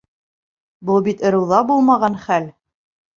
Был бит ырыуҙа булмаған хәл!